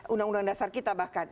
undang undang dasar kita bahkan